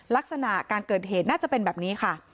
ลักษณะการเกิดเหตุน่าจะเป็นแบบนี้ค่ะ